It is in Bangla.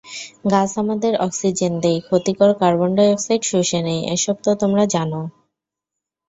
গাছ আমাদের অক্সিজেন দেয়, ক্ষতিকর কার্বন ডাই-অক্সাইড শুষে নেয়—এসব তো তোমরা জানো।